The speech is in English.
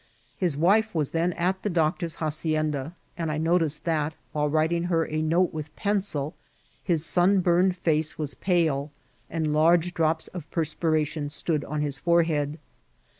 His wife was then at the doctor's hacienda ; and I noticed that, while writing her ^ note with pencil, his sunburned bee was pale, and large drops of perspiration stood on his forehead.